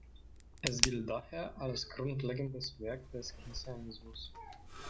Es gilt daher als grundlegendes Werk des Keynesianismus.